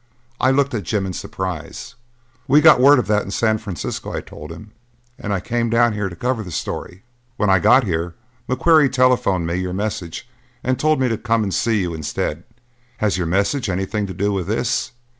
I looked at Jim in surprise. "We got word of that in San Francisco," I told him, "and I came down here to cover the story. When I got here, McQuarrie telephoned me your message and told me to come and see you instead. Has your message anything to do with this?"